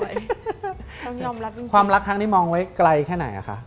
ต้องยอมรับความรักครั้งนี้มองไว้ไกลแค่ไหนอะคะ